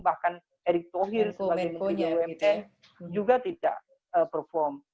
bahkan erick thohir sebagai menteri bumn juga tidak perform